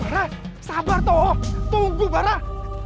rah sabar toh tunggu barah